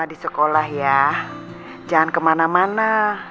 iya jangan kemana mana